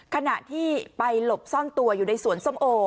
ขณะที่ไปหลบซ่อนตัวอยู่ในสวนส้มโอ